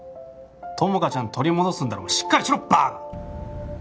友果ちゃん取り戻すんだろしっかりしろバーカ！